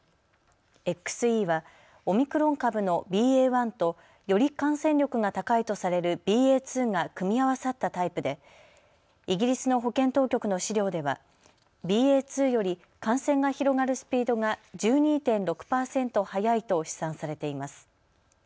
ＸＥはオミクロン株のＢＡ．１とより感染力が高いとされるＢＡ．２が組み合わさったタイプでイギリスの保健当局の資料ではＢＡ．２より感染が広がるスピードが１２．６％速いと試算されています。